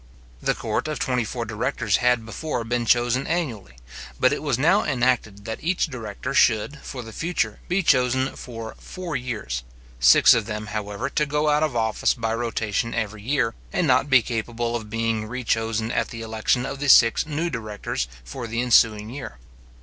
The court of twenty four directors had before been chosen annually; but it was now enacted, that each director should, for the future, be chosen for four years; six of them, however, to go out of office by rotation every year, and not be capable of being re chosen at the election of the six new directors for the ensuing year.